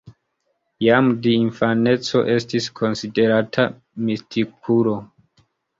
Jam de infaneco estis konsiderata mistikulo.